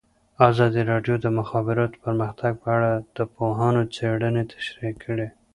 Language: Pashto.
ازادي راډیو د د مخابراتو پرمختګ په اړه د پوهانو څېړنې تشریح کړې.